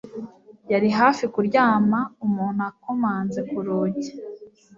Yari hafi kuryama umuntu akomanze ku rugi